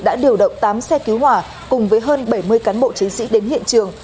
đã điều động tám xe cứu hỏa cùng với hơn bảy mươi cán bộ chiến sĩ đến hiện trường